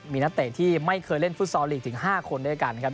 มีนักเตะที่ไม่เคยเล่นฟุตซอลลีกถึง๕คนด้วยกันครับ